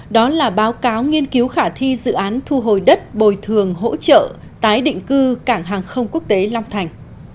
đó là báo cáo nghiên cứu khả thi dự án thu hồi đất bồi thường hỗ trợ tái định cư cảng hàng không quốc tế long thành